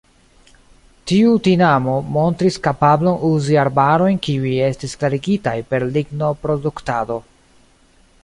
Tiu tinamo montris kapablon uzi arbarojn kiuj estis klarigitaj per lignoproduktado.